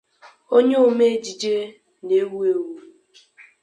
onye ome ejije na-ewu èwu